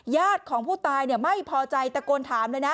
ญาติของผู้ตายไม่พอใจตะโกนถามเลยนะ